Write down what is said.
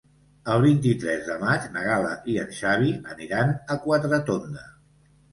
El vint-i-tres de maig na Gal·la i en Xavi aniran a Quatretonda.